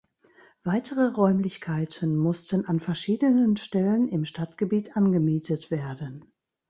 Weitere Räumlichkeiten mussten an verschiedenen Stellen im Stadtgebiet angemietet werden.